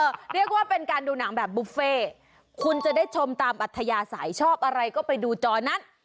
เรียกว่าเป็นการดูหนังแบบบุฟเฟ่คุณจะได้ชมตามอัธยาศัยชอบอะไรก็ไปดูจอนั้น